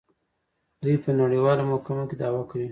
دوی په نړیوالو محکمو کې دعوا کوي.